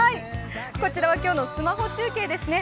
こちらは今日のスマホ中継ですね。